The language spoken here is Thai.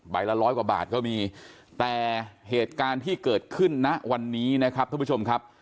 ละร้อยกว่าบาทก็มีแต่เหตุการณ์ที่เกิดขึ้นณวันนี้นะครับท่านผู้ชมครับ